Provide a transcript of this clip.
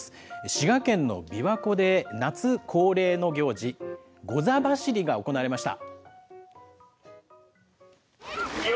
滋賀県のびわ湖で夏恒例の行事、ゴザ走りが行われました。